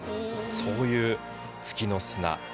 そういう月の砂。